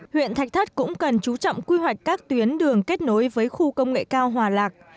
huyện thạch thất cũng cần chú trọng quy hoạch các tuyến đường kết nối với khu công nghệ cao hòa lạc